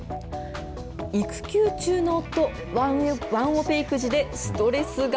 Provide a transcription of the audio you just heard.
育休中の夫、ワンオペ育児でストレスが。